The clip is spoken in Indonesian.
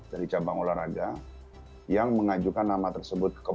dari cabang olahraga yang mengajukan nama tersebut